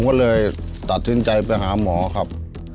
ก็เลยตัดสินใจไปหาหมอครับ